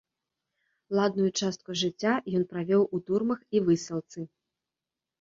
Ладную частку жыцця ён правёў у турмах і высылцы.